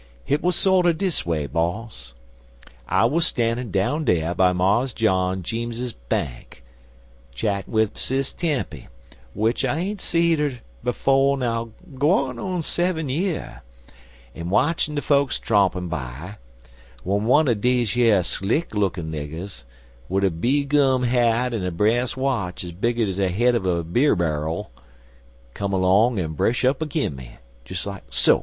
"Hit wuz sorter dis way, boss. I wuz stannin' down dere by Mars John Jeems's bank, chattin' wid Sis Tempy, w'ich I ain't seed 'er befo' now gwine on seven year, an' watchin' de folks trompin' by, w'en one er deze yer slick lookin' niggers, wid a bee gum hat an' a brass watch ez big ez de head uv a beerbar'l, come long an' bresh up agin me so.